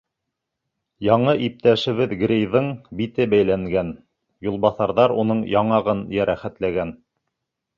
Яңы иптәшебеҙ Грейҙың бите бәйләнгән, юлбаҫарҙар уның яңағын йәрәхәтләгән.